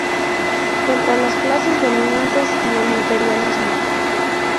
Contra las clases dominantes y el imperialismo.